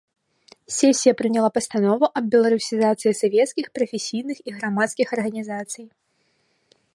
Сесія прыняла пастанову аб беларусізацыі савецкіх, прафесійных і грамадскіх арганізацый.